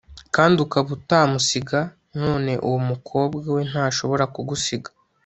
kandi ukaba utamusiga, none uwo mukobwa we ntashobora kugusiga!